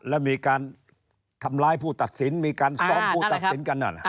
แล้วมีการทำร้ายผู้ตัดสินมีการซ้อมผู้ตัดสินกันนั่น